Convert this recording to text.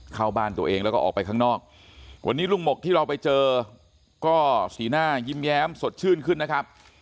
เข้าบ้านตัวเองแล้วก็ออกไปข้างนอกวันนี้ลุงหมกที่เราไปเจอก็สีหน้ายิ้มแย้มสดชื่นขึ้นนะครับ